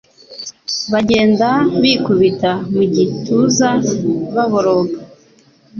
bagenda bikubita mu giutza, baboroga.